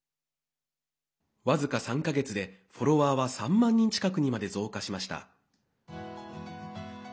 僅か３か月でフォロワーは３万人近くにまで増加しました。